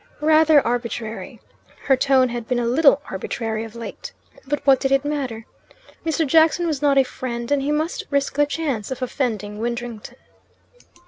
Rather arbitrary. Her tone had been a little arbitrary of late. But what did it matter? Mr. Jackson was not a friend, and he must risk the chance of offending Widdrington.